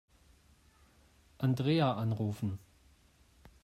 Andrea anrufen.